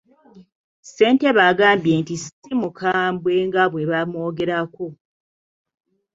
Ssentebe agambye nti ssi mukambwe nga bwe bamwogerako.